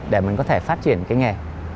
để mình có thể phát triển cái nghề